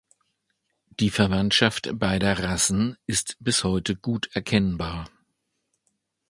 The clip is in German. Die Verwandtschaft beider Rassen ist bis heute gut erkennbar.